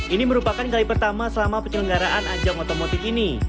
ini merupakan kali pertama selama penyelenggaraan ajang otomotif ini